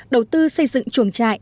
đầu tư xây dựng chuồng trại